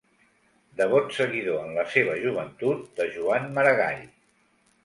Devot seguidor en la seva joventut de Joan Maragall.